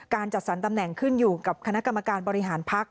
จัดสรรตำแหน่งขึ้นอยู่กับคณะกรรมการบริหารพักษ